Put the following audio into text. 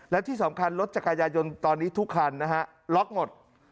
และที่สำคัญรถจักรยายนตอนนี้ทุกคันนะฮะล็อกหมด